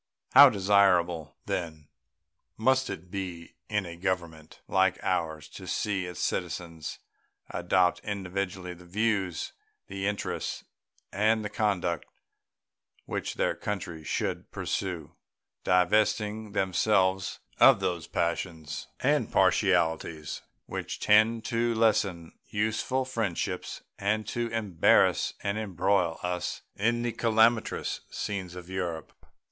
How desirable, then, must it be in a Government like ours to see its citizens adopt individually the views, the interests, and the conduct which their country should pursue, divesting themselves of those passions and partialities which tend to lessen useful friendships and to embarrass and embroil us in the calamitous scenes of Europe.